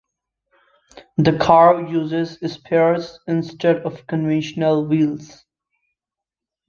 The car uses spheres instead of conventional wheels.